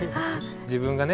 自分がね